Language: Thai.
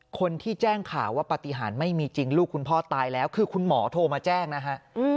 คนที่แจ้งข่าวว่าปฏิหารไม่มีจริงลูกคุณพ่อตายแล้วคือคุณหมอโทรมาแจ้งนะฮะ